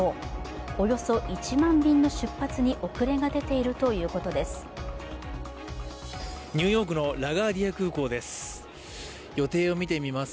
およそ１万便の出発に遅れが出ているということです。